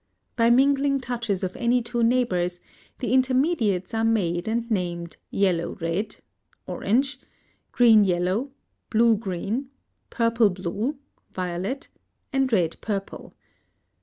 By mingling touches of any two neighbors, the intermediates are made and named yellow red (orange), green yellow, blue green, purple blue (violet), and red purple.